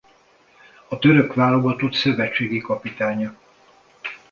A török válogatott szövetségi kapitánya.